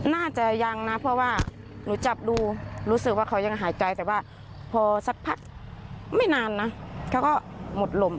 น่าจะยังนะเพราะว่าหนูจับดูรู้สึกว่าเขายังหายใจแต่ว่าพอสักพักไม่นานนะเขาก็หมดลม